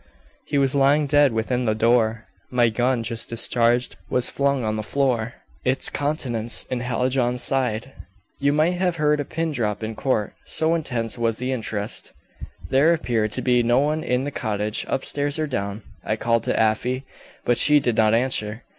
He was lying dead within the door. My gun, just discharged, was flung on the floor, its contents in Hallijohn's side." You might have heard a pin drop in court, so intense was the interest. "There appeared to be no one in the cottage, upstairs or down. I called to Afy, but she did not answer.